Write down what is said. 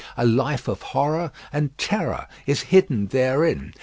A life of horror and terror is hidden therein.